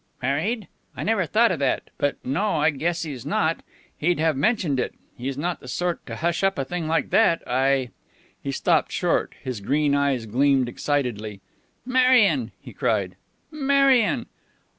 "Married? I never thought of that. But no, I guess he's not. He'd have mentioned it. He's not the sort to hush up a thing like that. I " He stopped short. His green eyes gleamed excitedly. "Marion!" he cried. "_Marion!